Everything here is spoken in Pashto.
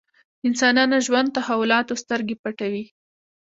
انسانانو ژوند تحولاتو سترګې پټوي.